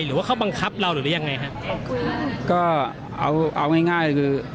หรือว่าเขาบังคับเราหรือยังไงฮะก็เอาเอาง่ายง่ายคือ